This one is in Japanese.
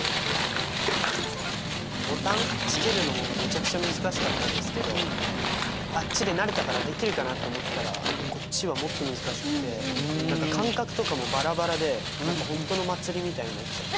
ボタン付けるのもめちゃくちゃ難しかったんですけどあっちで慣れたからできるかなって思ったらこっちはもっと難しくて何か間隔とかもバラバラで何か本当の祭りみたいになっちゃった。